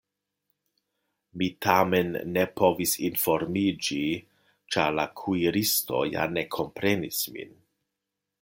Mi tamen ne povis informiĝi, ĉar la kuiristo ja ne komprenis min.